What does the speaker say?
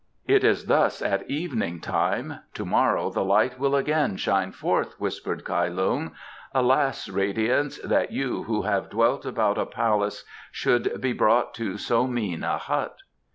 '" "It is thus at evening time to morrow the light will again shine forth," whispered Kai Lung. "Alas, radiance, that you who have dwelt about a palace should be brought to so mean a hut!"